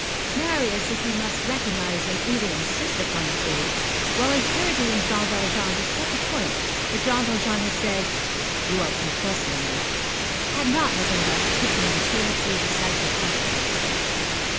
Marius, if we must recognize and even insist upon the fact, while interrogating Jean Valjean to such a point that Jean Valjean had said: "You are confessing me," had not, nevertheless, put to him two or three decisive questions.